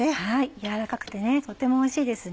やわらかくてとてもおいしいですね。